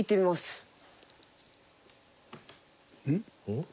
うん？